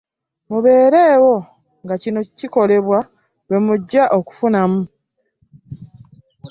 Mubeereewo nga kino kikolebwa lwe mujja okufunamu.